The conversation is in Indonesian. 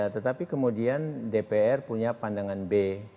tetapi kemudian dpr punya pandangan b